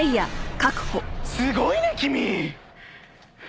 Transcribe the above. すごいね君。